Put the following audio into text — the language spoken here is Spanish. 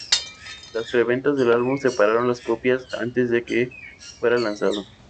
Las preventas del álbum superaron las copias antes de que fuera lanzado.